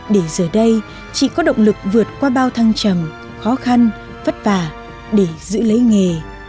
để giờ đây chị có động lực vượt qua bao thăng trầm khó khăn vất vả để giữ lấy nghề